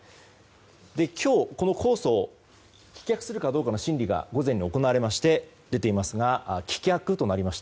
今日、この控訴を棄却するかどうかの審理が午前に行われまして棄却となりました。